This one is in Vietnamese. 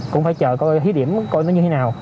cũng phải chờ coi thí điểm coi nó như thế nào